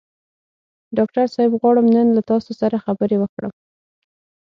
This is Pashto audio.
ډاکټر صاحب غواړم نن له تاسو سره خبرې وکړم.